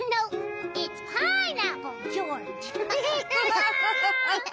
ハハハハハ！